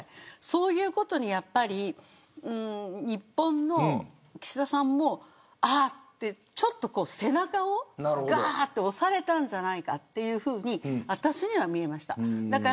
そういうことに日本の岸田さんもああって、背中をガーッと押されたんじゃないかというふうに私には見えました。